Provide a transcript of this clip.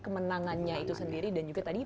kemenangannya itu sendiri dan juga tadi